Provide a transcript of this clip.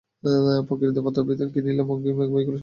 প্রকৃতিবাদ অভিধান কিনিলাম, বঙ্কিমের বইগুলো সংগ্রহ করিলাম।